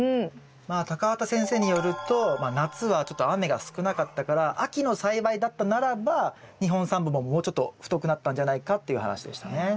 畑先生によると夏はちょっと雨が少なかったから秋の栽培だったならば２本３本ももうちょっと太くなったんじゃないかっていう話でしたね。